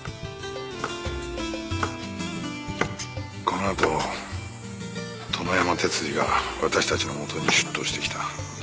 このあと殿山鉄二が私たちのもとに出頭してきた。